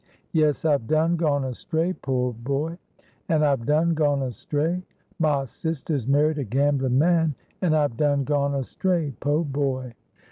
Yes, I've done gone astray, po' boy, An' I've done gone astray, Mah sister's married a gamblin' man, An' I've done gone astray, po' boy."